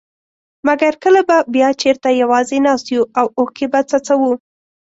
مګر کله به بيا چېرته يوازي ناست يو او اوښکي به څڅوو.